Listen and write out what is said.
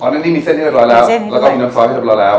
อ๋อในนี้มีเส้นให้เสร็จเรียบร้อยแล้วแล้วก็มีน้ำซอยให้เสร็จเรียบร้อยแล้ว